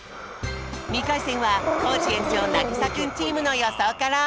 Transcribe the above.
２かいせんはコージ園長なぎさくんチームのよそうから。